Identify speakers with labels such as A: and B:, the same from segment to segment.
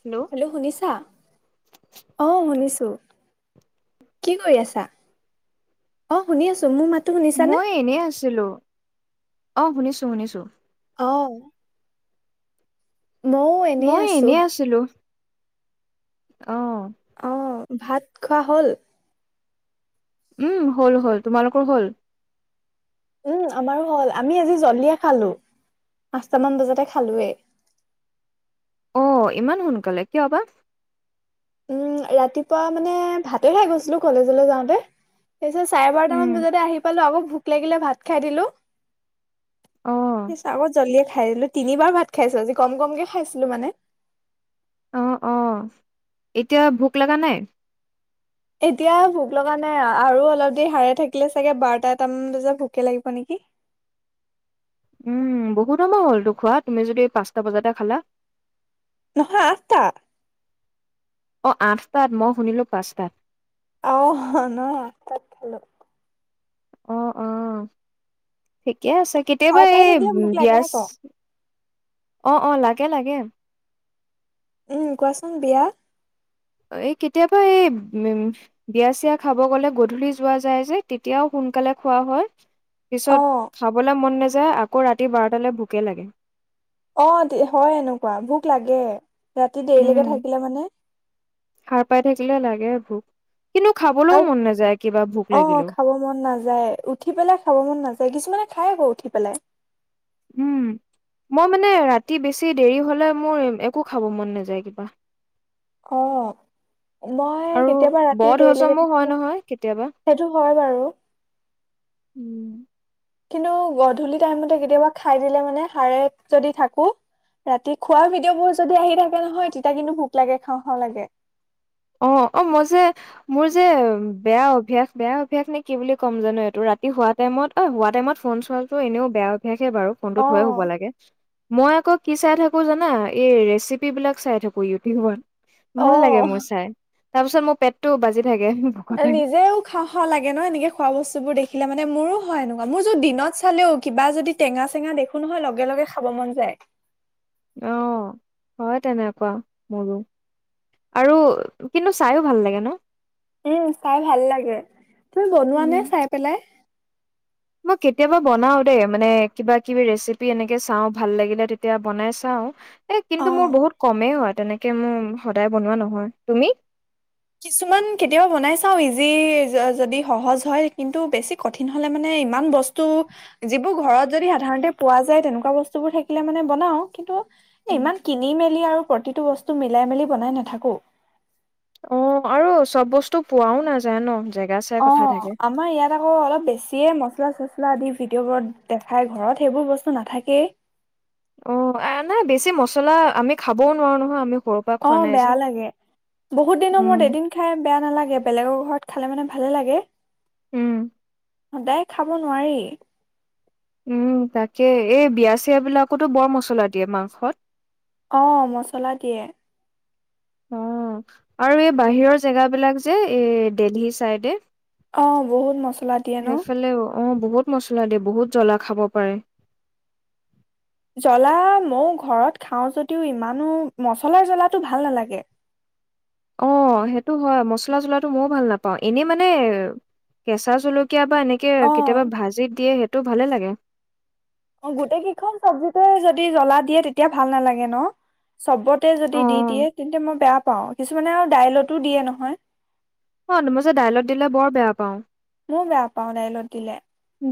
A: Hello,
B: শুনিছা? অ, শুনিছোঁ। কি কৰি আছা? অ, শুনি আছোঁ মোৰ মাত
A: মই এনেই আছিলোঁ। অ, শুনিছোঁ, শুনিছোঁ।
B: অ, মইও
A: মই
B: আছো।
A: এনেই আছিলোঁ। অ,
B: অ, ভাত খোৱা হ'ল?
A: উম হ'ল, হ'ল। তোমালোকৰ হ'ল?
B: উম, আমাৰো হ'ল। আমি, আজি জল্দিয়ে খালোঁ, পাঁচটামান বজাতে খালোয়ে।
A: অ, ইমান সোনকালে, কিয় বা?
B: উম, ৰাতিপুৱা মানে ভাতে খাই গৈছিলোঁ, কলেজলৈ যাওঁতে। পিছে চাৰে
A: উম
B: বাৰটামান বজাতে আহি পালোঁ। আকৌ ভোক লাগিলে ভাত খাই দিলোঁ।
A: অ
B: পিছে আগত জল্দিয়ে খাই দিলোঁ। তিনিবাৰ ভাত খাইছো আজি, কম কমকে খাইছিলো মানে।
A: অ, অ, এতিয়া ভোক লগা নাই?
B: এতিয়া ভোক লগা নাই আৰু। আৰু অলপ দেৰি সাৰে থাকিলে চাগে বাৰটা, এটামান বজাত ভোকে লাগিব নেকি?
A: উম, বহুত সময় হ'লতো খোৱা, তুমি যদি পাঁচটা বজাতে খালা।
B: নহয়, আঠটা।
A: অ, আঠটাত, মই শুনিলো পাঁচটাত।
B: আহ, নহ
A: অ, অ, ঠিকে আছে। কেতিয়াবা
B: সাৰ পাই
A: এই
B: থাকিলে ভোক লাগে
A: বিয়াজ
B: আকৌ।
A: অ, অ, লাগে লাগে।
B: উম, কোৱাচোন বিয়া
A: এই কেতিয়াবা এই, উম, বিয়া-চিয়া খাব গ'লে গধূলি যোৱা যায় যে, তেতিয়াও সোনকালে খোৱা হয়।
B: অ
A: পিছত খাবলৈ মন নাযায়, আকৌ ৰাতি বাৰটালৈ ভোকে লাগে।
B: অ, দে হয় এনেকুৱা, ভোক লাগে। ৰাতি দেৰিলৈকে থাকিলে মানে।
A: সাৰ পাই থাকিলে লাগে ভোক, কিন্তু খাবলৈও
B: আৰু
A: মন নাযায় কিবা ভোক
B: অ
A: লাগিলেও।
B: খাব মন নাযায়, উঠি পেলাই খাব মন নাযায়। কিছুমানে খাই আকৌ উঠি পেলাই।
A: উম, মই মানে ৰাতি বেছি দেৰি হ'লে, মোৰ একো খাব মন নাযায় কিবা।
B: অ, মই
A: আৰু
B: কেতিয়াবা
A: বদ
B: ৰাতি,
A: হজমো
B: দেৰিলৈকে
A: হয়
B: থাকিলে
A: নহয় কেতিয়াবা।
B: সেইটো হয় বাৰু।
A: উম,
B: কিন্তু, গধূলি টাইমতে কেতিয়াবা খাই দিলে মানে সাৰে যদি থাকোঁ ৰাতি খোৱা ভিডিঅ'বোৰ যদি আহি থাকে নহয়, তেতিয়া কিন্তু ভোক লাগে, খাওঁ খাওঁ লাগে।
A: অ, অ, মই যে মোৰ যে বেয়া অভ্যাস, বেয়া অভ্যাস নে, কি বুলি ক'ম জানো এইটো, ৰাতি সোৱাত টাইমত, অ, চোৱা টাইমত ফোন চোৱাটো এনেও বেয়া অভ্যাসে বাৰু, ফোনটো
B: অ
A: থৈয়ে শুব লাগে। মই আকৌ কি চাই থাকো জানা, এই ৰেচিপি বিলাক চাই থাকো ইউ টিউবত। ভাল লাগে
B: অ
A: মোৰ চাই, তাৰ পিছত মোৰ পেটটো বাজি থাকে।
B: এ,
A: ভোকতে।
B: নিজেও খাওঁ খাওঁ লাগে ন, এনেকে খোৱা বস্তু বোৰ দেখিলে মানে। মোৰো হয় এনেকুৱা, মোৰ যু দিনত চালেও কিবা যদি টেঙা চেঙা দেখো নহয়, লগে লগে খাব মন যায়।
A: অঁ, হয় তেনেকুৱা মোৰো। আৰু কিন্তু চাইয়ো ভাল লাগে ন।
B: উম, চাই ভাল লাগে। তুমি বনোৱা
A: উম।
B: নে চাই পেলাই?
A: মই কেতিয়াবা বনাওঁ দেই, মানে কিবা কিবি ৰেচিপি এনেকে চাওঁ ভাল লাগিলে তেতিয়া বনাই চাওঁ। এই
B: অ
A: কিন্তু মোৰ বহুত কমেইও আৰু তেনেকে মোৰ সদায় বনোৱা নহয়, তুমি?
B: কিছুমান কেতিয়াবা বনাই চাওঁ ইজি যদি সহজ হয়, কিন্তু বেছি কঠিন হলে মানে ইমান বস্তু যিবোৰ ঘৰত যদি সাধাৰণতে পোৱা যায় তেনেকুৱা বস্তুবোৰ থাকিলে মানে বনাও, কিন্তু ইমান কিনি মেলি আৰু প্ৰতিটো বস্তু মিলাই মেলি বনাই নাথাকো।
A: অঁ আৰু চব বস্তু পোৱাও নাযায় ন। জেগা চাই কথা
B: অঁ
A: থাকে।
B: আমাৰ ইয়াত আকৌ অলপ বেছিয়ে মচলা চচলা দি ভিডিঅ'বোৰত দেখাই ঘৰত সেইবোৰ বস্তু নাথাকেই।
A: উম, আ নাই বেছি মছলা আমি খাবও নোৱাৰো নহয় আমি স
B: অঁ বেয়া লাগে, বহুত দিনৰ
A: উম,
B: মূৰত এদিন খাই বেয়া নালাগে, বেলেগৰ ঘৰত খালে মানে ভালে লাগে।
A: উম।
B: সদায় খাব নোৱাৰি।
A: উম তাকে, এই বিয়া চিয় বিলাকতো বৰ মছলা দিয়ে মাংসত।
B: অঁ, মচলা দিয়ে।
A: অঁ, আৰু এই বাহিৰৰ জেগাবিলাক যে এই দেলহি চাইডে
B: অঁ, বহুত মছলা দিয়ে ন।
A: অঁ, বহুত মছলা দিয়ে বহুত জ্বলা খাব পাৰে।
B: জ্বলা ময়ো ঘৰত খাওঁ যদিও ইমানো মছলাৰ জ্বলাটো ভাল নালাগে।
A: অঁ, সেইটো হয় মচলা জলাটো মইও ভাল নাপাওঁ, এনেই মানে কেঁচা জল কীয়া বা এনেকে
B: অ',
A: কেতিয়াবা ভাজি দিয়ে সেইটো ভালে লাগে।
B: অঁ, গোটেই কেইখন চব্জিতে যদি জ্বলা দিয়ে তেতিয়া ভাল নালাগে ন। চবতে যদি
A: অ
B: দি দিয়ে, তেন্তে মই বেয়া পাওঁ কিছুমানে আৰু দাইলতো দিয়ে নহয়।
A: অঁ, মই যে দাইলত দিলে বৰ বেয়া পাওঁ।
B: ময়ো বেয়া পাওঁ দাইলত দিলে।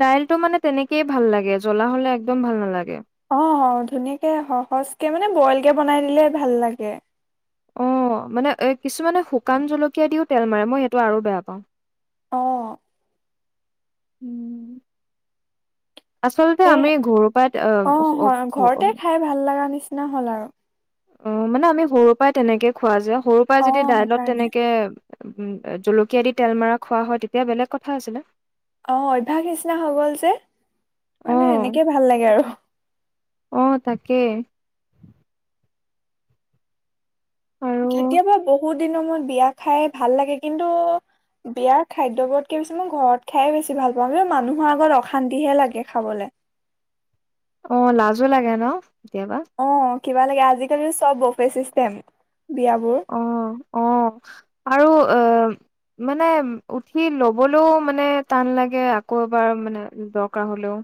A: দাইলটো মানে তেনেকেই ভাল লাগে, জ্বলা হ'লে একদম ভাল নালাগে।
B: অঁ, ধুনীয়াকে সহজকে মানে বইল কে বনাই দিলে ভাল লাগে।
A: অঁ মানে কিছুমানে শুকান জলকীয়া দিও তেল মাৰে মই সেইটো আৰু বেয়া পাওঁ।
B: অঁ।
A: উম। আচলতে
B: এ
A: আমি ঘৰুৰ পৰা অঁ
B: অ
A: অশ
B: হয়
A: অ
B: ঘৰতে খাই ভাল লগা নিচিনা হ'ল আৰু।
A: অঁ, মানে আমি সৰুৰ পৰাই তেনেকে খোৱা যে, সৰু পৰাই
B: অ
A: যদি দাইলত
B: সেইকাৰণে
A: তেনেকে উম জলকীয়া দি তেল মৰা খোৱা হয় তেতিয়া বেলেগ কথা আছিলে।
B: অঁ, অভ্যাস নিচিনা হৈ গল যে, মানে এনেকে ভাল লাগে আৰু।
A: অঁ, তাকে আৰু
B: কেতিয়াবা বহুত দিনৰ মূৰত বিয়া খাই ভাল লাগে। কিন্তু বিয়াৰ খাদ্যবোৰতকে বেছি মই ঘৰত খাই বেছি ভাল পাওঁ, কিন্তু মানুহৰ আগত অশান্তি হে লাগে খাবলে।
A: অঁ লাজো লাগে ন কেতিয়াবা।
B: অ', কিবা লাগে, আজিকালি চব বফে চিষ্টেম বিয়াবোৰ
A: অ', অ', আৰু অ' মানে উঠি লবলৈও মানে টান লাগে আকৌ এবাৰ মানে দৰকাৰ হলেও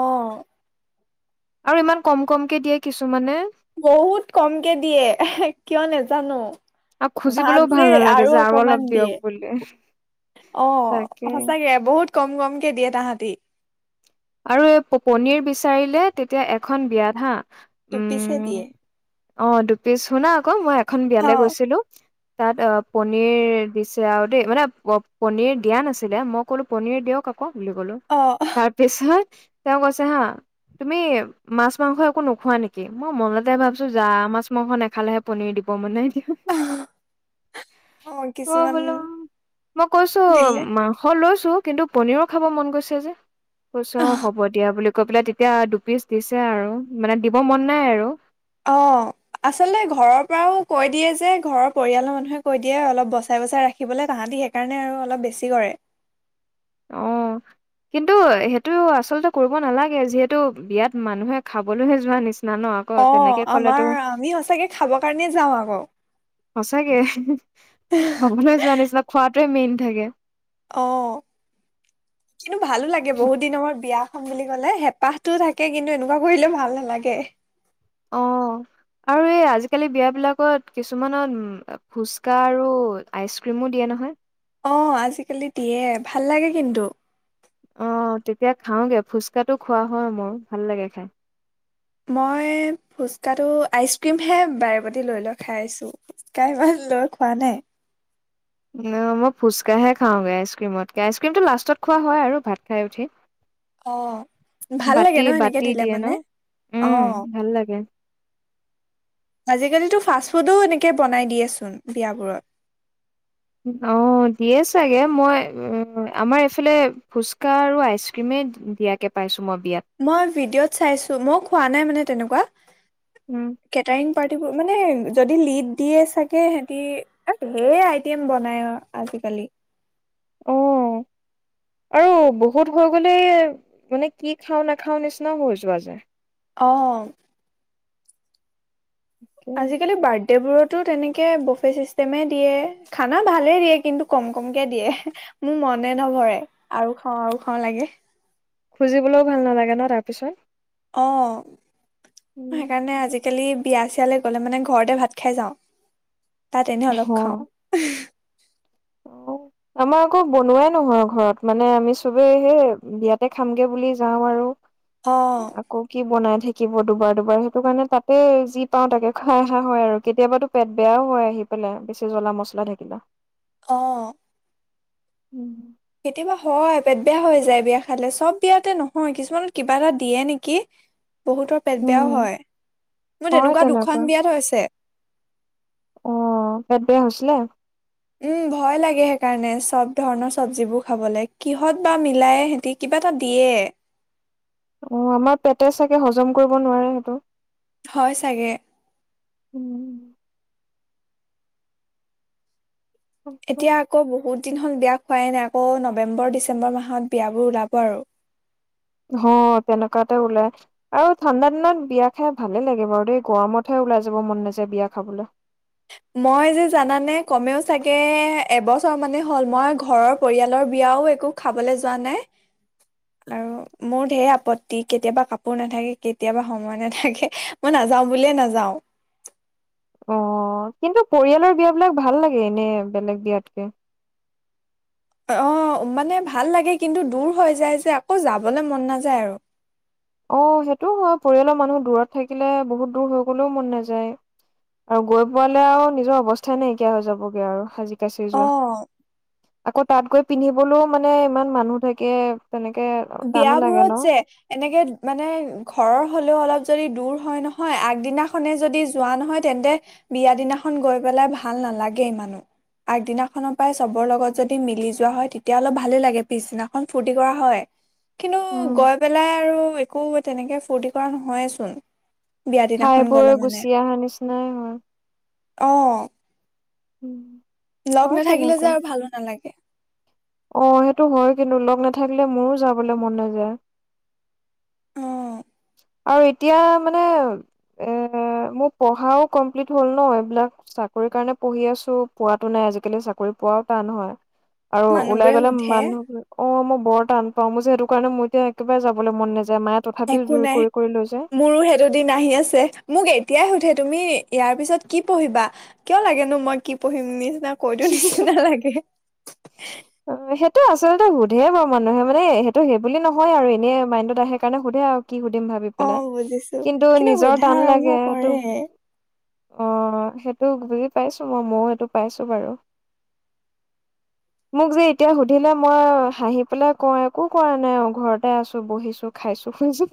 B: অ'।
A: আৰু ইমান কম কমকে দিয়ে কিছুমানে
B: বহুত কম কে দিয়ে, কিয় নেজানো
A: আৰু
B: ভাত
A: খুজিবলৈও
B: যে
A: ভাল নালাগে
B: আৰু
A: যে অলপ
B: অকমান
A: দিয়ক
B: দিয়ে,
A: বুলি
B: অ',
A: তাকে।
B: সঁচাকে বহুত কম কম কে দিয়ে, তাহাঁতি
A: আৰু এই, প-পনিৰ বিচাৰিলে তেতিয়া এখন বিয়াত হা
B: টোপিছে
A: উম
B: দিয়ে।
A: অ', দুপিচ শুনা আকৌ, মই এখন
B: অ
A: বিয়ালে গৈছিলো। তাত অ', পনিৰ দিছে আৰু দেই মানে প-পনিৰ দিয়া নাছিলে মোক। ক'লো পনীৰ দিয়ক আকৌ, বুলি ক'লো।
B: অ'
A: তাৰ পিছত, তেওঁ কৈছে হা তুমি মাছ-মাংস একো নোখোৱা নেকি, মই মনতে ভাবছো যা মাছ-মাংস নেখালেহে পনীৰ দিব মানে। [inaudible]
B: অ
A: মই
B: কিছুমান
A: বোলো, মই কৈছো
B: দিলে
A: মাংস লৈছো। কিন্তু পনীৰো খাব মন গৈছে যে। কৈছে অ', হ'ব দিয়া বুলি কৈ পেলাই, তেতিয়া দুপিচ দিছে আৰু মানে দিব মন নাই আৰু [inaudible]
B: অ', আচলতে ঘৰৰ পৰাও কৈ দিয়ে যে, ঘৰৰ পৰিয়ালৰ মানুহে কৈ দিয়ে, অলপ বচাই বচাই ৰাখিবলৈ তাহাতি সে সেইকাৰণে আৰু অলপ বেছি কৰে।
A: অ'। কিন্তু সেইটো আচলতে কৰিব নালাগে, যিহেতু বিয়াত মানুহে খাবলৈহে যোৱা নিচিনা ন। আকৌ
B: অ',
A: তেনেকে ক'লেতো
B: আমাৰ আমি সচাকে খাবৰ কাৰণে যাওঁ আকৌ।
A: সঁচাকে, খাবলৈ যোৱা নিচিনা, খোৱাটোৱে মেইন থাকে।
B: অ', কিন্তু ভালো লাগে, বহুত দিনৰ মূৰত বিয়া। বুলি ক'লে হেঁপাহটো থাকে কিন্তু এনেকুৱা কৰিলে ভাল নালাগে।
A: অ' আৰু এই, আজিকালি বিয়াবিলাকত কিছুমানত, ম ফুচকা আৰু আইচক্ৰীমো দিয়ে নহয়।
B: অ', আজিকালি দিয়ে, ভাল লাগে কিন্তু।
A: অ', তেতিয়া খাওঁগে, ফুচকাাতো খোৱা হয়, মোৰ ভাল লাগে খাই।
B: মই ফুচকাটো, আইচক্ৰীমহে বাৰে প্ৰতি লৈ লৈ খাই আছোঁ। কাইমান লৈ খোৱা নাই।
A: অ', মই ফুচকাহে খাওঁগে আইচক্ৰীমতকে, আইচক্ৰীমতটো লাষ্টত খোৱা হয় আৰু ভাত খাই উঠি। [unintelligible]
B: অ', ভাল লাগে
A: বাতি
B: ন, সেনেকে
A: বাতি
B: দিলে
A: দিয়ে ন
B: মানে
A: উম
B: অ'।
A: ভাল লাগে
B: আজিকালিতো, ফাষ্ট ফুডো এনেকে বনাই দিয়েচোন বিয়াবোৰত।
A: অ', দিয়ে চাগে, মই আমাৰ এইফালে ফুচকা আৰু আইচক্ৰীমে দিয়াক কে পাইছো মই বিয়াত।
B: মই ভিডিঅ'ত চাইছো, মই খোৱা নাই মানে তেনেকুৱা।
A: উম।
B: কেটাৰিং পাৰ্টিবোৰ মানে, যদি লিড দিয়ে চাগে সিহেতি [unintelligible] ধেই আইটেম বনাই অ', আজিকালি।
A: অ। আৰু বহুত হৈ গ'লে, মানে কি খাওঁ নাখাওঁ নিচিনাও হৈ যোৱা যায়।
B: অ। আজিকালি বাৰ্থ ডে বোৰতো তেনেকৈ বফে ছিষ্টেমেই দিয়ে। খানা ভালেই দিয়ে কিন্তু কম কমকৈ দিয়ে। মোৰ মনে নভৰে, আৰু খাওঁ আৰু খাওঁ লাগে।
A: খুজিবলৈও ভাল নালাগে ন তাৰ পিছত?
B: অঁ।
A: উম
B: সেইকাৰণে আজিকালি বিয়া চিয়ালৈ গ'লে মানে ঘৰতে ভাত খাই যাওঁ। তাত এনেই অলপ
A: অ
B: খাওঁ।
A: অ। আমাৰ আকৌ বনোৱাই নহয় ঘৰত, মানে আমি চবেই সেই বিয়াতে খামগে বুলি যাওঁ আৰু।
B: অঁ।
A: আকৌ কি বনাই থাকিব দুবাৰ দুবাৰ, সেইটো কাৰণে তাতে যি পাওঁ তাকে খাই অহা হয় আৰু, কেতিয়াবাটো পেট বেয়াও হয় আহি পেলাই বেছি জ্বলা মছলা থাকিলে।
B: অঁ।
A: উম।
B: কেতিয়াবা হয় পেট বেয়া হৈ যায় বিয়া খালে, চব বিয়াতে নহয় কিছুমানত কিবা এটা দিয়ে নেকি? বহুতৰ পেট বেয়াও
A: উম
B: হয়। মোৰ তেনেকুৱা দুখন বিয়াত হৈছে।
A: অ পেট বেয়া হৈছিলে?
B: উম ভয় লাগে সেইকাৰণে চব ধৰণৰ চবজিবোৰ খাবলে। কিহত বা মিলাই সিহতি? কিবা এটা দিয়ে।
A: আমাৰ পেটে চাগে হজম কৰিব নোৱাৰে সেইটো।
B: হয় চাগে।
A: উম,
B: এতিয়া আকৌ বহুত দিন হ'ল বিয়া খোৱাই নাই। আকৌ নৱেম্বৰ, ডিচেম্বৰ মাহত বিয়াবোৰ ওলাব আৰু।
A: অহ তেনেকুৱাতে ওলাই। আৰু ঠাণ্ডা দিনত বিয়া খাই ভালে লাগে বাৰু দেই, গৰমতহে ওলাই যাব মন নাযায় বিয়া খাবলৈ।
B: মই যে জানানে কমেও চাগে এবছৰ মানে হ'ল মই ঘৰৰ পৰিয়ালৰ বিয়াও একো খাবলে যোৱা নাই?
A: [inaudible]
B: আৰু মোৰ ঢেৰ আপত্তি, কেতিয়াবা কাপোৰ নাথাকে, কেতিয়াবা সময় নাথাকে, মই নাযাওঁ বুলিয়ে নাযাওঁ।
A: অ, কিন্তু পৰিয়ালৰ বিয়াবিলাক ভাল লাগে এনে বেলেগ বিয়াতকে।
B: অ, মানে ভাল লাগে কিন্তু দূৰ হৈ যায় যে, আকৌ যাবলে মন নাযায় আৰু।
A: অ সেইটোও হয়, পৰিয়ালৰ মানুহ দূৰত থাকিলে বহুত দূৰ হৈ গলেও মন নাযায়। আৰু গৈ পোৱালে আৰু নিজৰ অৱস্থাই নাইকিয়া হৈ যাবগে আৰু হাজি কাচি যোৱা।
B: অ
A: আকৌ তাত গৈ পিন্ধিবলৈও মানে ইমান মানুহ থাকে তেনেকে
B: বিয়া
A: টানো লাগে ন
B: বোৰত যে, এনেকে মানে ঘৰৰ হ'লেও অলপ যদি দূৰ হয় নহয়, আগদিনাখনে যদি যোৱা নহয় তেন্তে বিয়া দিনাখন গৈ পেলাই ভাল নালাগে ইমানো। আগদিনাখনৰ পৰাই চবৰ লগত যদি মিলি যোৱা হয়, তেতিয়া হ'লে অলপ ভালেই লাগে, পিছদিনাখন ফূৰ্তি কৰা হয়। কিন্তু
A: উম।
B: গৈ পেলাই আৰু একো তেনেকে ফূৰ্তি কৰা নহয়েচোন। বিয়া
A: খাই
B: দিনাখন
A: বৈ
B: গলে মানে
A: গুচি অহা নিচিনাই হয়।
B: অঁ।
A: উম।
B: লগ নাথাকিলে যে আৰু ভালো নালাগে।
A: অ' সেইটো হয় কিন্তু লগ নাথাকিলে মোৰো যাবলৈ মন নাযায়।
B: অ
A: আৰু এতিয়া মানে এ, মোৰ পঢ়াও কমপ্লিট হ'ল ন' এইবিলাক চাকৰি কাৰণে পঢ়ি আছোঁ, পোৱাতো নাই, আজিকালি চাকৰি পোৱাও টান হয়। আৰু ওলাই
B: মানুহবোৰে
A: গ'লে
B: সোধে
A: মানুহ অ' মই বৰ টান পাওঁ, মই যে সেইটো কাৰণ একেবাৰে যাবলৈ মন নাযায়, মাই যে
B: একো নাই, মোৰো হেই দুদিন আহি আছে। মোক এতিয়াই সুধে তুমি ইয়াৰ পিছত কি পঢ়িবা। কিয় লাগেনো মই কি পঢ়িম বুলি, নিচিনা কৈ দিওঁ নিচিনা নালাগে।
A: সেইটো আচলতে সোধে বাৰু মানুহে মানে সেইটো সেই বুলি নহয় আৰু এনে মাইণ্ডত আহে কাৰণে সোধে আৰু। কি সুধিম ভাবি
B: অ
A: পেলাই
B: বুজিছো
A: কিন্তু নিজৰ
B: সোধা
A: টান
B: আৰম্ভ
A: লাগে হেইটো
B: কৰে
A: সেইটো বুজি পাইছোঁ, মইও সেইটো পাইছোঁ বাৰু। [inaudible] মোক যে এতিয়া সুধিলে মই হাঁহি পেলাই কওঁ একো কৰা নাই, ঘৰতে আছোঁ, বহিছোঁ। খাইছোঁ, শুইছোঁ।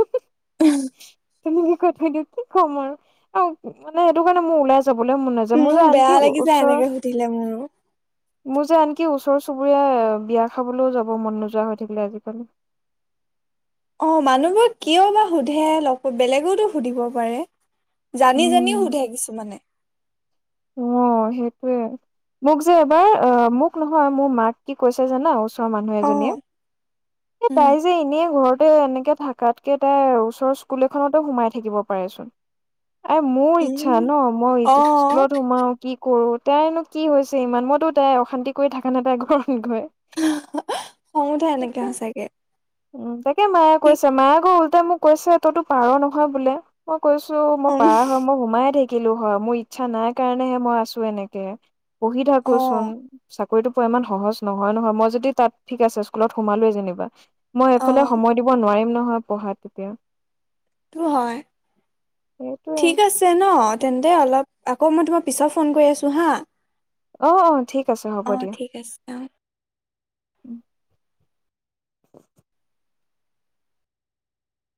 A: তেনেকে কৈ থৈ দিওঁ, কি ক'ম আৰু মানে সেইটো কাৰণে মোৰ ওলাই যাবলৈ মন নাযায়, মোৰ যে আনকি ওচৰৰ
B: তিলে মোৰো।
A: মোৰ যে আনকি ওচৰ চুবুৰীয়া বিয়া খাবলৈও যাব মন নোযোৱা হৈ থাকিলে আজিকালি।
B: অ' মানুহবোৰ কিয় বা সুধে লগ, বেলেগোতো সুধিব পাৰে। জানি জোনিও
A: উম।
B: সোধে কিছুমানে।
A: অ' সেইটয়ে। মোক যে এবাৰ অ' মোক নহয় মোৰ মাক কি কৈছে জানা ওচ মানুহ
B: অ
A: এজনীয়ে, এ,
B: উম
A: তাই যে এনে ঘৰত এ, এনেকে থাকাতকে তাই ওচৰৰ স্কুল এখনতো সোমাই থাকিব পাৰেচোন। এ, মোৰ ইচ্ছা
B: উম
A: ন' মই
B: অ
A: স্কুলত সোমাও কি কৰোঁ, তাইনো কি হৈছে ইমান, মইতো তাইক অশান্তি কৰি থাকা নাই তাইৰ ঘৰত গৈ।
B: খং উঠে এনেকে সঁচাকে।
A: উ, তাকে মায়ে
B: ঠিক
A: কৈছে, মায়ে আকৌ ওলটাকে মোক কৈছে তইতো পাৰ নহয় বোলে। মই কৈছোঁ মই
B: উম
A: পাৰা হয় মই সোমায়ে থাকিলোঁ হয়, মোৰ ইচ্ছা নাই কাৰণেহে মই আছোঁ এনেকে, পঢ়ি
B: অ
A: থাকোচোন চাক কৰিটো পোৱা ইমান সহজ নহয় নহয়, মই যদি তাত ঠিক আছে স্কুলত সোমালোৱেই যেনিবা মই
B: অ
A: এইফালে সময় দিব নোৱাৰিম নহয় পঢ়াত।
B: টো হয়,
A: সেইটোৱে
B: ঠিক আছে। তে ন' তেন্তে অলপ আকৌ মই তোমাক পিছত ফোন কৰি আছোঁ হা।
A: অ', অ' ঠিক আছে হ'ব
B: অ',
A: দিয়া।
B: ঠিক আছে। অ
A: [inaudible]